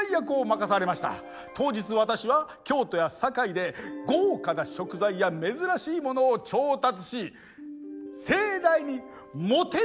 当日私は京都や堺で豪華な食材や珍しいものを調達し盛大にもてなす予定でした。